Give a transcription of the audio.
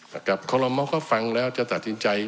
และกับคต์โรมอร์ก็ฟังแล้วจะตัดสินใจ